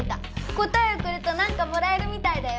答えおくるとなんかもらえるみたいだよ！